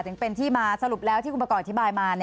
ถึงเป็นที่มาสรุปแล้วที่คุณประกอบอธิบายมา